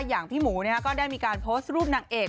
อย่างพี่หมูก็ได้มีการโพสต์รูปนางเอก